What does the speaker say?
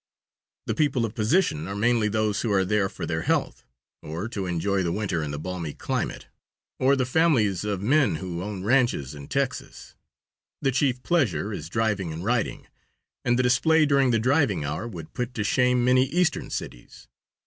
The people of position are mainly those who are there for their health, or to enjoy the winter in the balmy climate, or the families of men who own ranches in Texas. The chief pleasure is driving and riding, and the display during the driving hour would put to shame many Eastern cities.